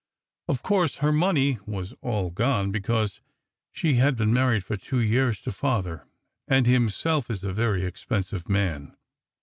Of course her money was all gone, because she had been married for two years to Father, and Himself is a very expensive man.